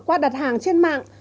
qua đặt hàng trên mạng